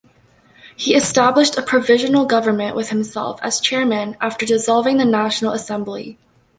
He established a provisional government with himself as chairman after dissolving the national assembly.